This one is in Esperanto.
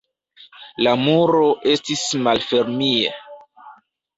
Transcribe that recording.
La muro estas malfermij.